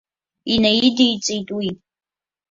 Инаидиҵеит уи.